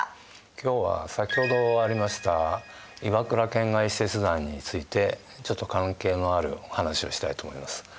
今日は先ほどありました岩倉遣外使節団についてちょっと関係のあるお話をしたいと思います。